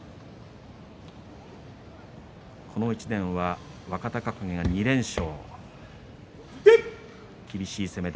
この１年は若隆景が２連勝。